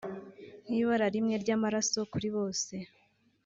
nk’ibara rimwe ry’amaraso kuri bose